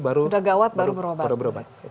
sudah gawat baru berobat